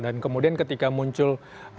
dan kemudian ketika muncul